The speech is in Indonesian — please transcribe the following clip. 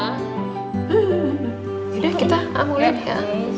yaudah kita amulet ya